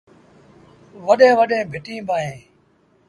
وڏيݩ وڏيݩ ڀٽيٚن با اهين